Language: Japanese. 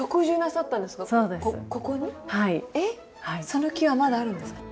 その木はまだあるんですか？